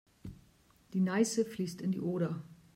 Die Neiße fließt in die Oder.